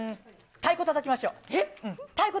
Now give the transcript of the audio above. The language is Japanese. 太鼓たたきましょう。